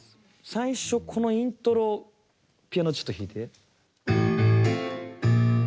最初このイントロピアノちょっと弾いて。